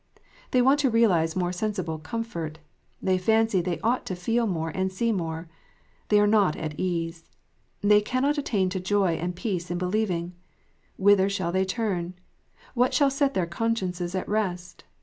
They want to realize more sensible comfort. They fancy they ought to feel more and see more. They are not at ease. They cannot attain to joy and peace in believing. Whither shall they turn 1 What shall set their consciences at rest